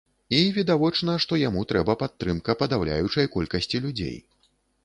І відавочна, што яму трэба падтрымка падаўляючай колькасці людзей.